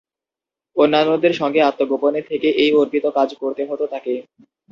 অন্যান্যদের সঙ্গে আত্মগোপনে থেকে এই অর্পিত কাজ করতে হত তাঁকে।